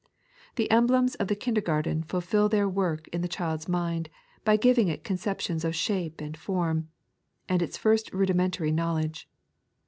The emblems of the kindergarten fulfil their work in the child's mind, by giving it conceptions of shape and form, and its first rudimentaiy knowledge.